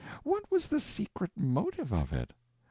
—what was the secret motive of it?